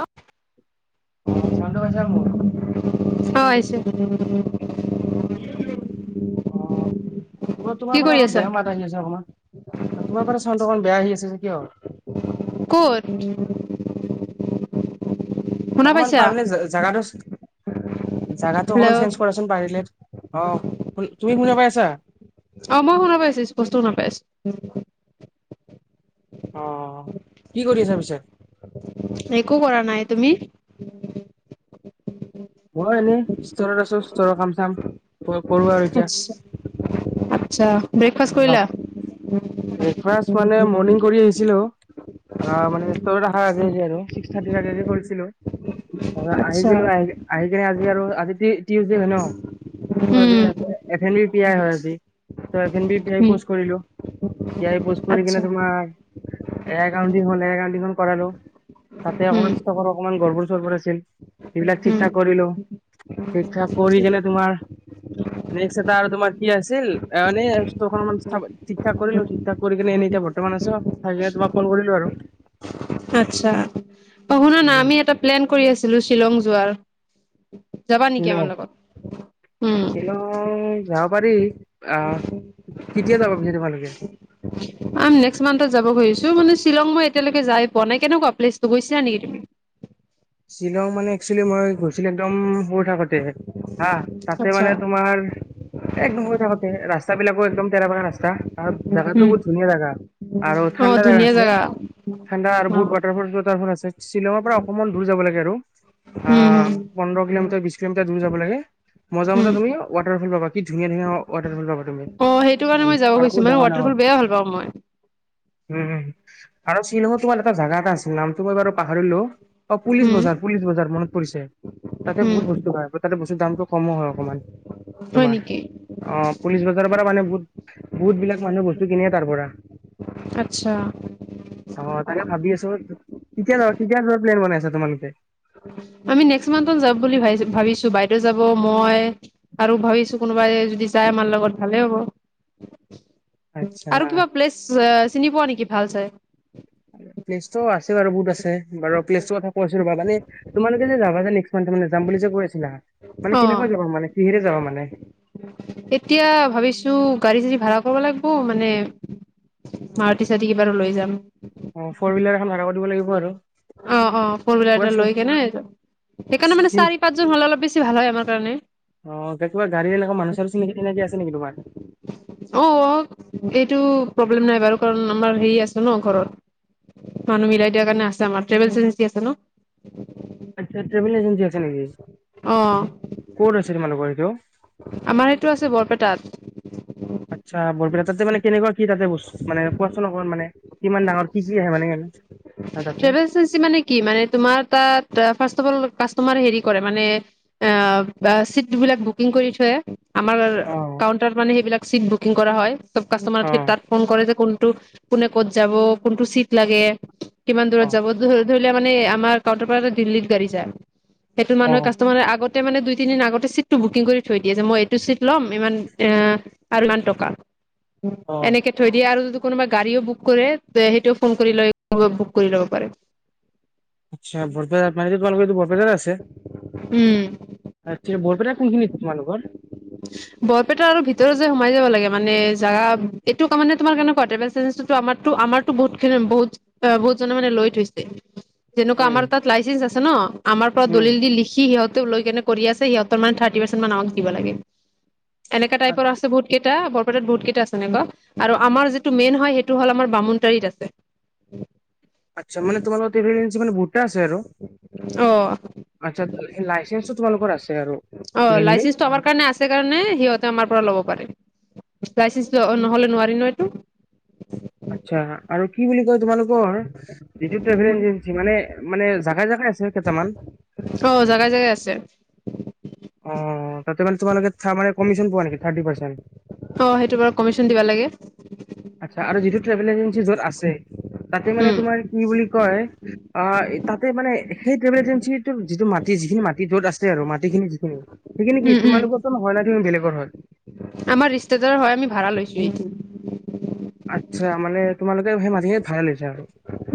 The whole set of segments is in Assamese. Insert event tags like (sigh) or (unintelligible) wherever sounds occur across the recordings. অ অ চাউনটো পাইছা মোৰ? (inaudible) অ তোমাৰ কি তোমাৰ পৰা কৰি অলপ আছা বেয়া মাত আহি আছে অকমান। তোমাৰ পৰা চাউণ্ডটো অকণ বেয়া আহি আছে যে। কিয়? কত? শুনা অকমান পাইছা পাৰলে জেগাটো জাগাটো অকমান হেল্ল' চেঞ্জ কৰাচোন পাৰিলে। অ তুমি শুনা পাই আছা? অ মই শুনা পাইছো, ষ্পষ্ট শুনা পাই আছো। (unintelligible) অ কি কৰি আছা পিছে? একো কৰা নাই, তুমি? মই এনেই ষ্টৰত আছো, ষ্টৰৰ কাম চাম ক কৰো আৰু এতিয়া। আচ্ছা আচ্ছা, ব্ৰেকফাষ্ট কৰিলা? ব্ৰেকফাষ্ট মানে মৰ্ণিং কৰি আহিছিলো, আ মানে ষ্টৰত আহা আগে আগে আৰু। ছাতিৰ আগে আগে কৰিছিলো আহ আচ্ছা গলো, আহি আহি কিনে আজ আজি আৰু আজি তি টিউছডে হয় ন? উম আজি F N B P I হয় আজি ত ' F N B P I উম পষ্ট কৰিলো। য়াই পোষ্ট কৰি কিনে আচ্ছা তোমাৰ A I county hall, A I কাউণ্টিখন কৰালো। তাতে উম অকণমান ষ্ট কৰ অকমান গৰবৰ চৰবৰ আছিল। সেইবিলাক ঠিক উম ঠাক কৰিলো। ঠিক ঠাক কৰি কেনে তোমাৰ, নেক্সট এটা আৰু তোমাৰ কি আছিল? এ মানে ষ্টৰ খন মানে- ঠিক ঠাক কৰিলো। ঠিক ঠাক কৰি কিনে এনেই এতিয়া বৰ্তমান আছো। থাকিলে তোমাক কল কৰিলো আৰু। আচ্ছা, অ শুনা না উম, আমি এটা প্লেন কৰি আছিলো শ্বিলং যোৱাৰ। যাবা নেকি শ্বিলঙ, আমাৰ লগত উম শ্বিলঙ যাব পাৰি। অ' কেতিয়া যাবা পিছ তোমালোকে? (unintelligible) আমি নেক্সট মান্থত যাব খুজিছো, মানে শ্বিলঙ মই এতিয়ালৈকে যাই পোৱা নাই। কেনেকুৱা প্লেছতো গৈছিলা নেকি তুমি? শ্বিলং মানে একচুৱেলি মই গৈছিলো একদম সৰু থাকোতে। হা তাতে আচ্ছা মানে তোমাৰ, একদম হৈ থাকোতে ৰাস্তা বিলাকো একদম তেৰা ভাগা ৰাস্তা, আৰু জেগাটো উম বহুত ধুনীয়া জেগা আৰু অ ঠাণ্ডা জেগা ধুনীয়া আছে। ঠাণ্ডা আৰু অ উম, বহুত ৱাটাৰফল ৱাটাৰফল আছে শ্বিলঙৰ পৰা অকমান কব' লাগে আৰু আ হুম, পোন্ধৰ কিলোমিটাৰ বিশ কিলোমিটাৰ দূৰ যাব লাগে, মজা হুম। মজা তুমি ৱাটাৰফল পাবা কি ধুনীয়া ধুনীয়া ৱাটাৰফল পাবা তুমি, অ', সেইটো কাৰণে মই যাব আৰু খুজিছো বহুত মানে ডাঙৰ ডাঙৰ। ৱাটাৰফল বেয়া ভাল পাওঁ মই। উম আৰু শ্বিলঙত তোমাৰ এটা জাগা এটা আছিল নামটো মই বাৰু পাহৰিলো। অ পুলিচ হুম, বজাৰ, পুলিচ বজাৰ মনত পৰিছে। তাতে হুম। বহুত বস্তু পাই। তাতে বস্তু দামটো কমো হয় অকণমান। হয় তোমাৰ নেকি? অ পুলিচ বজাৰৰ পৰা মানে বহুত- বহুত বিলাক মানুহ বস্তু কিনেয়ে তাৰ পৰা। আচ্ছা। অ তাকে ভাবি আছো কেতিয়া য কেতিয়া যোৱা প্লেন বনাইছো তোমালোকে আমি নেক্সট মন্থত যাম বুলি ভাবিছো বাইদেউ যাব মই আৰু ভাবিছো কোনোবাই যদি যাই আমাৰ লগত ভালে হ'ব আচ্ছা আৰু কিবা প্লেছ চিনি পোৱা নেকি ভাল চাই প্লেছতটো আছে বাৰু বহুত আছে প্লেচটো কথা কোৱাচোন ৰবা তোমালোকে যে যাবা যাম বুলি যে কৈ আছিলা মানে অ কেনেকৈ যাবা মানে কিহেৰে যাবা মানে এতিয়া ভাবিছো গাড়ী চদি ভা়ড়া কৰোঁ কব লাগিব মানে মাৰুতি চাতি কিবাতো লৈ যাম অ ফ'ৰশিলাৰ ভাড়া কৰি দিব লাগিব আৰু অ অ ফৰশিলাৰ কিবা চি লৈ কেনে সেইকাৰণে মানে চিন চাৰি পাঁচজন হ'লে অলপ বেছি ভাল হয় অ', কিবা গাড়ী এনেকুৱা মানুহ চানুহ চিনাকি তিনাকি আছে নেকি তোমাৰ? অ অ এইটো প্লেলেম নাই বাৰু আমাৰ হে আছো ন ঘৰত মানুহ মিলাই দিয়া কাৰণে আছে আমাৰ টেভেল এজেঞ্চি আছে ন (unintelligible) এজেঞ্চি আছে নেকি অ', ক'ত আছে তোমালোকৰ এইটো আমাৰ এইটো আছে বৰপেটাত আচ্ছা বৰপেটাত তাতে মানে কেনেকুৱা কি তাতে বস্ত মানে কোৱাচোন অকণ মানে কিমান ডাঙৰ কি কি আহে মানে তাতে? ট্টেভেল এজেন্সি মানে কি মানে তোমাৰ তাত ফাষ্ট ফল তোমাৰ হেৰি কৰে মানে অ', অ', চিটবিলাক বুকিং কৰি থয়, আমাৰ অ', কাউন্টাৰ মানে সেইবিলাক চিট বুকিং কৰা হয়। চব কাষ্টমাৰ ঠিক অ', তাত ফোন কৰে যে কোন টো, কোনে ক'ত যাব? কোনটো চিট লাগে? কিমান দূৰত যাব? অ', দূৰ ধৰিলে মানে আমাৰ কাউণ্টাৰ পৰা দিল্লীত গাড়ী যায়। সেইটোত মানুহে অ'। কাষ্টমাৰে আগত তে মানে দুই তিনিদিন আগতে চিটটো বুকিং কৰি থৈ দিয়ে যে মই এইটো চিট লম ইমান এ আৰু ইমান টকা। অ এনেকে থৈ দিয়ে আৰু যুদু কোনবাই গাড়ীও বুক কৰে। যে সেইটোও ফোন কৰি লৈ বুক কৰি ল'ব পাৰে। আচ্ছা, বৰপেটাৰ মানেদি তোমালোক বৰপেটাৰ আছে। উম। আচ্ছা বৰপেটা কোনখিনিত তোমালোকৰ বৰপেটাৰ আৰু ভিতৰত যায় সোমাই যাব লাগে মানে জাগা এইটো কামানে তোমাৰ কেনেকুৱা মানে (unintelligible) আমাৰটো, আমাৰটো বহুতখিনি বহুত, বহুত জনে মানে লৈ থৈছে। যেনেকুৱা উম আমাৰ তাত লাইচেন্ঞ্চ আছে ন আমাৰ পৰা উম দলিল দি লিখি সিহঁত টোপ লৈকেনে কৰি আছে সিহঁত মানে থাৰ্টি পাৰ্চেট মান আমাক দিব লাগে। এনেকা টাইপৰ আছে বহুত কেইটা বৰ পেটাত বহুত কেইটা আছে এনেকুৱা আৰু আমাৰ যিটো মেইন হয় সেইটো হ'ল আমাৰ বামুণটাৰিত আছে। আচ্ছা মানে তোমালোকৰ (unintelligible) মানে বহুতটা আছে। আৰু অ', আচ্ছা লাইচেন্সটো তোমালোকৰ আছে আৰু অ', মেইনলি লাইচেঞ্চটো আমাৰ কাৰণে আছে কাৰণে সিহঁতে আমাৰ পৰা ল'ব পাৰে। লাইচেঞ্চটো অ', নহ'লে নোৱাৰি ন এইটো। আচ্ছা আৰু কি বুলি কয় তোমালোক কৰ যিটো ট্ৰেভেল এজেঞ্চি মানে, মানে জাগাই জাগাই আছে কেইটামান। অ', জেগাই জেগাই আছে। অ তাতে মানে তোমালোকে ঠা মানে কমিশ্বন পোৱা নেকি থাৰ্টি পাৰ্চেন্ট? অ', সেইটো বাৰু কমিশ্বন দিবা লাগে। এ তাতে মানে উম তোমাৰ কি বুলি কয় অ', তাতে মানে সেই ট্ৰভেল এজেঞ্চিৰ যিটো মাটি, যিখিনি মাট টি য'ত আছে আৰু মাটিখিনি সেইখিনি কি উম, তোমালোকৰতো নহয় না তুমি বেলেগৰ হয় উম, আমাৰ ৰিস্তেদাৰ হয়, আমি ভাড়া লৈছো এইটো। (inaudible) আচ্ছা, মানে তোমালোকে সেমা হে ভাড়ালে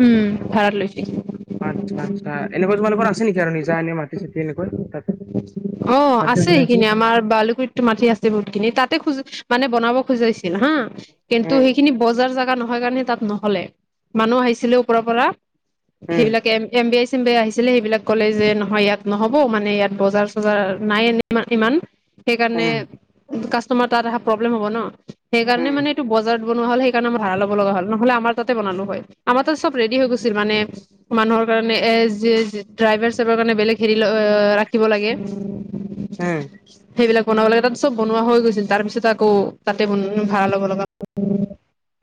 উম ভাড়াত লৈছো আচ্ছা, আচ্ছা এনেকুৱা তোমালোকৰ আছে নেকি আৰু নিজ যা এনে মাটি চাতি হেৰিকৈ অ আছে সেইখিনি আমাৰ বালুকুৰিটো মাটি আছে বহুতখিনি তাতে খোজো মানে বনাব খজাইছে হা কিন্তু উম সেইখিনি বজাৰ জাগা নহয় কাৰণে তাত নহলে মানুহ আহিছিলে ওপৰপৰা উম সেইবিলাক এম বি এ চ (inaudible) আহছিলে সেইবিলাক কলেজে নহয় ইয়াত নহব মানে ইয়াত। বজাৰ চজাৰ নাই ইমান ইমান সেইকাৰণে উম কাচ তোমাৰ তাত আহা প্ৰব্লেম হ'ব ন সেইকাৰণে উম মানে এইটো বজাৰ বনোৱা হ'লেই কাৰণ ভা়ৰা ল'ব লগা'ল নহলে আমাৰ তাত হয় আমাৰব ৰে হৈ গ মানে মান কাৰ চ হ (inaudible) থাকিব লাগে। হম সেইবিলাক বনাব লাগে। তাত চব বনোৱা হৈ গৈছিল তাৰ পিছত আকৌ তাতে বন ভাড়া ল'ব লগা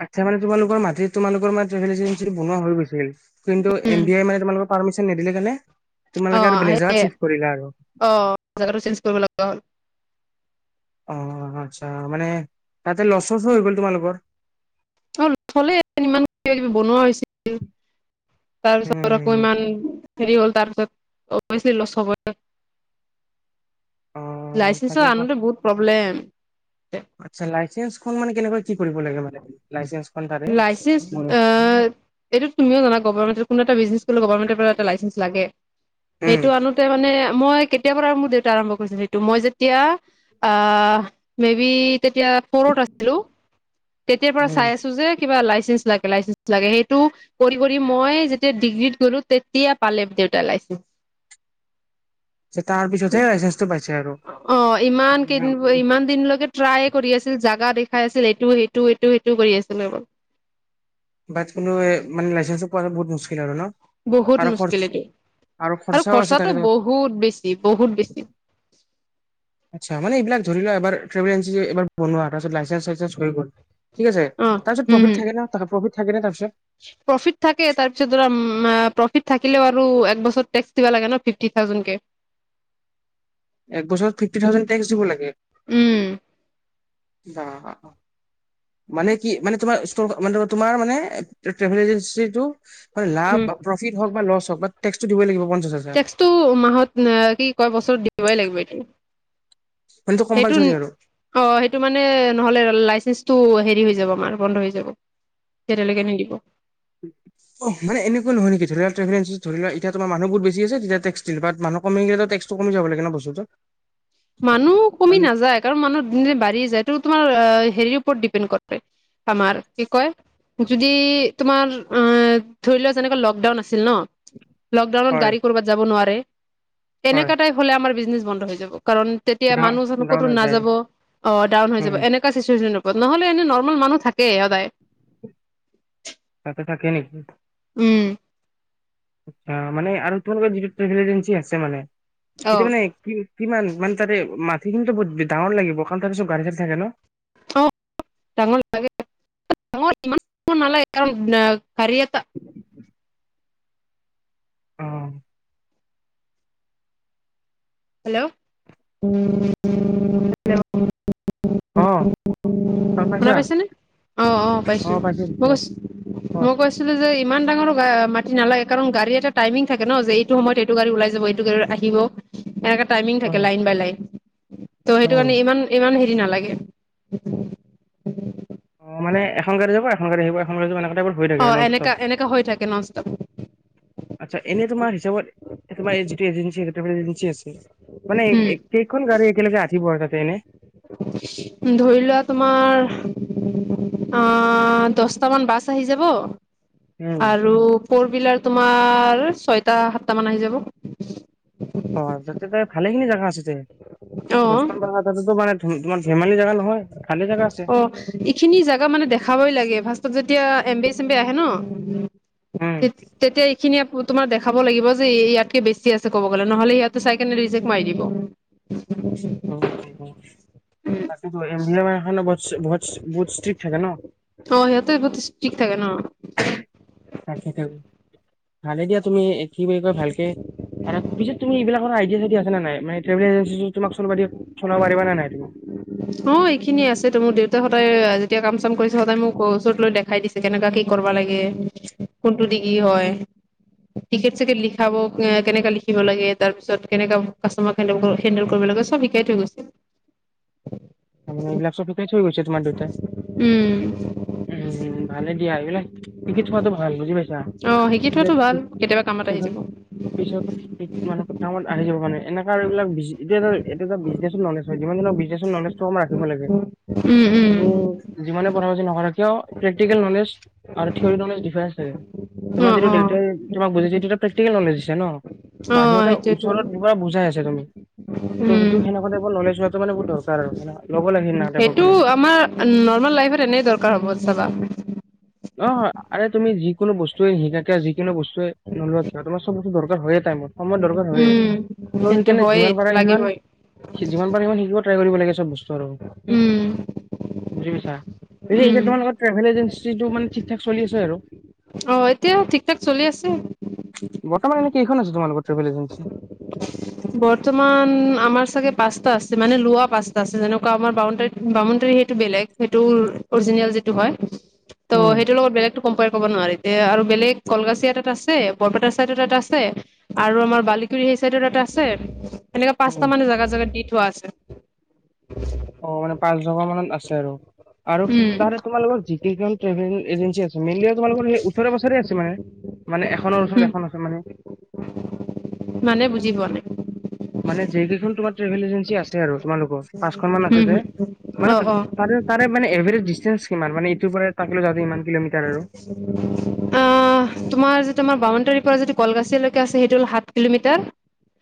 আচ্ছা মানে তোমালোকৰ মাটিত তোমালোক মানে ট্ৰভেল এজেঞ্চি বনোৱা হৈ গৈছিল কিন্তু এম বি আই মানে তোমালোকৰ পাৰ্মিশন নিদিলে কেণে অ স অ (inaudible) জগাটো চেঞ্জ কৰিব লগা হ'ল। অ আচ্ছা মানে তাতে লচ চচ হৈ গ'ল তোমালোকৰ অ থলে ইমান কিবা কিবি বনোৱা হৈছিল তাৰপিছতকম উম, ইমান হেৰি হ'ল তাৰপিছত অলব (inaudible) অ', লাইচেন্ঞ্চৰ তাকে ক আনোতে বহুত প্ৰব্লেম আচ্ছা লাইচেন্ঞ্চখন মানে কেনেকৈ কি কৰিব লাগে মানে লাইেঞ্চ লাইচেন্ঞ্চ এইটো তুমিও জানা গভমেন্ট কোনো এটা বিজনেচ কৰিো গভমেন্টৰ পৰা এটা লাইচেন্স লাগে উম, সেইটো আনোতে মানে মই কেতিয় পৰা মোৰ দেউতা আৰম্ভ কৰিছিলো সেইটো মই যেতিয়া আহ মে বি তেতিয়া ফৰত আছিলো তেতিয়াৰ পৰা উম, চাই আছো যে লাইচেঞ্চ লাগে লাইচেঞ্চ লাগে সেই তো কৰি কৰি মই ডিগ্ৰ্ গলো তেতিয়া পালে দেউতাৰ লাইচে তাৰ পিছতহে লাইচেন্ঞ্চটো পাইছে আৰু অ ইমান কেইদিন ইমান দিনলৈকে ট্ৰাই কৰি আছিল জাগা দেখি, খাই আছিল এইটো সেইটো এইটো সেইটো কৰি আছিল আৰু বা কোনো মানে লাই কোৱা বহুত মুস্ আৰু ন বহুত আৰু খৰচ মুস্কিলে দিয় আৰু খৰচাও আছে তাকে খৰচটোো লগত। বহুত বেছি বহুত বেছি, আচ্ছা মান এইবিল ধৰিোৱা এবাৰভেলেঞ্চাৰ বনোৱা তাৰপছ লাইেঞ্চ চেঞ্চ হৈ গ'ল। ঠিক আছে অ', তাৰপিছত হম হম প্ৰফিট থাকে ন প্ৰফিট থাকোৰ পিছত প্ৰফিট থাকে তাৰ পিছত ধ প্ৰফিট থাকিলও আৰু এক বছৰ েক্স দিবা লাগে ন ফিফটি থাউজেড কে এক বছৰত ফিফট থউজেড টে্স দিব লাগে। উম! মানে কি মানে তোমাৰ তোমাৰ মানে ট্ৰেভেল এজেঞ্চিটো হয় লাভ হম বা প্ৰফিট হওক, ল হ বা দিব লাগিব হাজাৰ টেক্স টো মাহত অ কি কয় বছৰত দিবই লাগিব, মানে এইটো (inaudible) সেইটো কম্পালচৰি আৰু অ সেইটো মানে নহলে লে তটো হেৰি হৈ যাব আমাৰ বন্ধ হৈ যাব তেতিয়ালৈকে নিদিব। মান এনেকা নহয় নেকিৰি লোৱা ট্ৰেেল এেঞ্চি ধৰি লোৱা এতিয়া তোাৰ মানুহু বেছি আছেতিয়া টক্স দিল মানু কমিলে টে্টো কমি যাব লাগে ন বস্তুত মানুহ কমি নাযায় কাৰণ মানুহিন বাঢ়ি যায় তটো তোমাৰ অ হেৰিৰপৰত ডিপেণ্ড কৰে। আমাৰ কি কয়? যদি তোমাৰ আ ধৰি লোৱাও যেনেকুৱা লকডাউন আছিল ন লকডাউনত হয় গাড়ী কৰ'বাত যাব নোৱাৰে। হয় এনেককা াই হ'লে আমাৰ বিজনে বন্ধ হৈ যাব। কাৰণ তেতিয়া ডা মানুহজন ডাউন ক'তো হৈ যায় নাযাব অ ডাউন হৈ যাব উম এনেকুৱা চিচুৱেচন নহলে এনে নৰ্মেল মানুহ থাকে সদায়। তাকে নেকি? উম! আচা মান আৰু তোমাৰোক যিটো ্ৰেভেল এজেঞ্চি আছে মানে। অ এটোয়া মানে কি কিমান মানে তাৰে মা সেই কিন্তু ব ডাঙৰ লাগিবান তাত সব গাড়ীাডী থাকে ন অল ন কিয়তে, অ হেল্ল' হেল্! অ গম শুনা পাইছা পাইছে নে অ অ পাইছো মই কৈছো অ মই কৈছিলো যে ইমান ডাঙৰ গা মাটি নালাগে। কাৰণ গাড়ী এটা টাইমিং থাকে ন' যে এইটো সময়ত এইটো গাড়ী উলাই যাব এইটো গাড়ি আৰু আহিব এনেকা টাইমিং অ', থাকে লাইন বাই লাইন। ত' অ', সেইটো কাৰণে ইমান-ইমান সেই ই নালাগে। অ মানে এখন গাড়ীত যাব এখন গাড়ীত আহিব এখন গড়ী যাব এনেকা অ এনেকা এনেকা হৈ থাকে ননষ্টপ। (unintelligible) এ তোমাৰ যিটো এজেঞ্চি এজেঞ্চি আছে মানে কেইখন গাড়ী একেলগে আহিব আৰু তাতে এনে উম ধৰি লোৱা তোমাৰ অ দছটামান বাছ আহি যাব উম। আৰু ফৰ উইলাৰ তোমাৰ ছয়টা সাতটা মান আহি যাব। অ যাতে তাত ভালেখিনি জেগা আছে তে। অ', দছখন বাহান আতেতো মানে তোমাৰ ধেমালি জেগা নহয়! ভালে জাগা আছে অ এইখিনি জাগা মানে দেখাবই লাগে ফাৰ্ষ্টত যেতিয়া এম বে চেম বে আহে ন উম। তেতিয়া এইখিনি আ তোমাক দেখাব লাগিব যে এই ইয়াতকে বেছি আছে ক'ব গ'লে, নহ'লে ইয়াতে চাইকেনে ৰিজেক্ট মাৰি দিব। (inaudible) বাচ, এইটো এড ভি আই (unintelligible) বত বহুত ষ্টিক থাকে ন? অ, সিহঁতে বহুত ষ্টিক থাকে ন তাকেতো, ভালে দিয়া তুমি কি বুলি কয়, ভালকে, এনে পিছত তুমি এইবিলাকৰ আইডিয়া চাইডিয়া আছে নে নাই? মানে ট্ৰেভেল যদি তোমাক চলাব দিয়ে চলাব পাৰিবা নে নাই তুমি? অ, এইখিনিয়ে আছে তো, মোৰ দেউতাহঁত তই যেতিয়া কাম চাম কৰিছে সদায় মোক ওচৰত লৈ দেখাই দিছে, কেনেকা কি কৰবা লাগে? কোনটো দি কি হয়? টিকেট চিকেট লিখাব অ', কেনেকা লিখিব লাগে? তাৰপিছত কেনেকা কাষ্টমাৰ হেণ্ডেল কৰিব লাগে? চব কাই থৈ গৈছ মানে এইবিলাক চব শিকাই থৈ গৈছে। তোমাৰ দেউতাই, উম উম, ভালে দিয়া সেইবিলাক সিকি থোৱাতো ভাল বুজি পাইছা, অ শিকি থোৱাটো পিছত, ভাল কেতিয়াবা কামত আহি পিছত যাব পিছত কামত আহি কিব কাৰণে এনেকা এইবিলাক বিজ এইটো এটা, এইটো এটা বিজনেছৰ ন'লেজ হয়। যিমান যি নহওঁক বিজনেছৰ ন'লেজ থাকিব লাগে, উম উম তুমি যিমান (unintelligible) নকৰে কিয় প্ৰেক্টিকেল ন'লেজ আৰু থিয়'ৰি ন'লেজ ডিফাৰেন্ঞ্চ থাকে। অ তোমাৰ যিটো অ দেউতাই তোমাক বুজাইছি সেইটোতো প্ৰেক্টিকেল ন'লেজ দিছ জানো। অ মানুহ এটা সেইটোয়েতো ওচৰত (unintelligible) বুজাই আছে তুমি, টো সেইটো উম সেনেকুৱা টাইপৰ ন'লেজ হোৱাটো মানে বহুত দৰ চাৰে (unintelligible) সেইটো আমাৰ ন'ৰ্মেল লাইফত এনেই দৰকাৰ হ'ব চাবা। অহ, আৰে তুমি যিকোনো বস্তুৱে শিকাকে, যিকোনো বস্তুৱে নোলোৱা কিয় তোমাৰ চব বস্তু দৰকাৰ হয়ে টাইমত। সময়ত দৰকাৰ হয়, উম, ত' সেইটো সেইকাৰণে হয়ে যিমান পাৰে সিমান, লাগিবই যিমান পাৰে সিমান শিকিব ট্ৰাই কৰিব লাগে চব বস্তু আৰু উম বুজি পইছা, (unintelligible) তোমালোকৰ ট্ৰেভেল এজেঞ্চ অহ, এতিয়া ঠিক-ঠাক চলি আছে। মানে কেইখন আছে তোমালোকৰ ট্ৰেভেল এজেঞ্চি বৰ্তমান আমাৰ চাগে পাচটা আছে। মানে লোৱা পাচটা আছে। যেনেকুৱা আমাৰ বাউণ্ডাৰী, বাউণ্ডাৰী সেইটো বেলেগ সেইটো অৰিজিনেল যিটো হয় ত, উম সেইটো লগত বেলেগতো কম্পৰে ক'ব নোৱাৰি। এতিয়া আৰু বেলেগ কলগাছিয় এটা আছে, বৰপেটা চাইদৰ এটা আছে আৰু আমাৰ বালিকুৰি সেই চাইডৰ এটা আছে এনেকাত উম পাঁটা মানেগা জেগা জেগা দি থোৱা আছে। অহ, মানে পাঁচজকা মানত আছে আৰু। আৰু উম তাৰে তোমালোকৰ জিটি ট্ৰেভেল এজেঞ্চি আছে। মাইনলী তোমালোকৰ সেই ওচৰে পাজৰে আছে মানে। মানে এখনৰ উম ওচৰে এখন আছে মানে। মানে বুজি পোৱা নাই মানে যেই কেইখন তোমাৰ ট্ৰেভেল এজেঞ্চি আছে আৰু তোমালোকৰ পাঁচখন মান আছে হুম, যে। হুম। হুম। মানে অ', অ'। তাৰে, তাৰে মানে এভৰেজ ডিচটেন্স কিমান মানে তাকলৈ যতে ইমান কিলোমিটাৰ আৰু অহ, তোমাৰ যে তোমাৰ বাউণ্ডাৰী তাৰ যদি কলগাছিয়ৈকে আছে সেইটো হল সাত কিলোমিটাৰ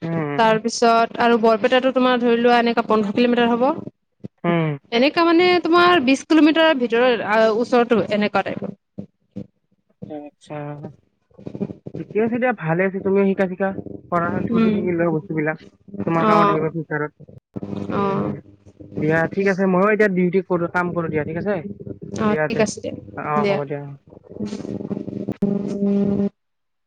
উম তাৰ পিছত আৰু বৰপেটাতো তোমাৰ ধৰি লোৱা এনেককা পোন্ধৰ কিলোমিটাৰ হ'ব। উম এনেকা মানে তোমাৰ বিশ কিলোমিটাৰৰ ভিতৰত ওচৰতো এনেকুৱা টাইপৰ। আত্ছা। ঠিকে আছে দিয়া ভালে আছ তুমিে শিকা শিকা কৰা শিকি উম, থিকি লোৱা বস্তুবলাক তোমাৰ কামত অ', আহিব ফিউচাৰত অ', উ দিয়া ঠিক আছে ময় এতিয়া ডিউটি কৰ কাম কৰো দিয়া ঠিক আছে, অ', দিয়া ঠিক দে আছে দিয়া, অ হ'ব দিয়া, অ। (unintelligible)